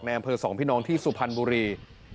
แนมเพลิงสองพี่น้องที่สุพันธ์บุรี